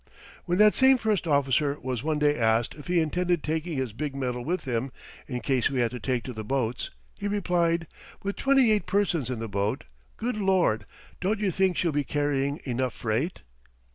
When that same first officer was one day asked if he intended taking his big medal with him in case we had to take to the boats, he replied: "With twenty eight persons in the boat! Good Lord, don't you think she'll be carrying enough freight?"